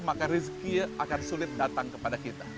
maka rizki akan sulit datang kepada kita